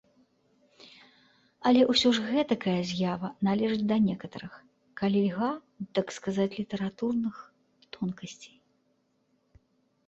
Але ўсё ж гэтакая з'ява належыць да некаторых, калі льга так сказаць, літаратурных тонкасцей.